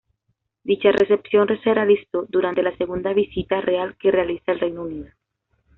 Dicha recepción se realizó durante la segunda visita real que realiza al Reino Unido.